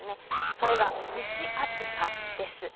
それが蒸し暑さです。